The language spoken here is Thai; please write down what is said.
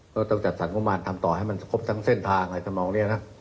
ก็ต้องจัดสรรคมว่างบางทำต่อให้มันครบทั้งเส้นทางให้สมองเนี่ยนะ